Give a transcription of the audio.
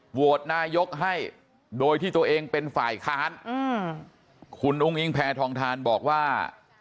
โหวตนายกให้โดยที่ตัวเองเป็นฝ่ายค้านคุณอุ้งอิงแพทองทานบอกว่า